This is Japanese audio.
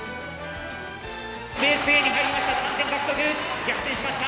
ベースＡに入りました。